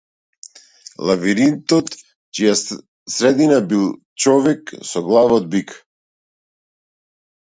Лавиринтот чија средина бил човек со глава од бик.